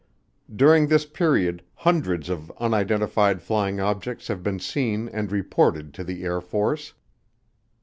During this period hundreds of unidentified flying objects have been seen and reported to the Air Force.